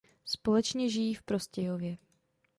Společně žijí v Prostějově.